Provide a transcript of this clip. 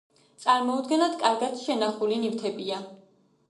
წარმოუდგენლად კარგად შენახული ნივთებია.